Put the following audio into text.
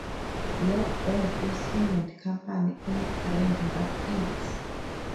York Band Instrument Company in Grand Rapids.